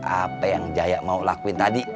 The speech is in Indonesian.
apa yang jaya mau lakuin tadi